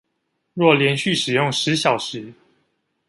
若連續使用十小時